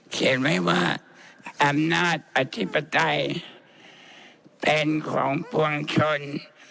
เขียนไว้ว่าอำนาจอธิปไตยเป็นของปวงชน